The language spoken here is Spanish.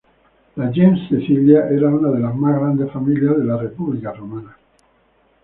La Gens Cecilia era una de las grandes familias de la República Romana.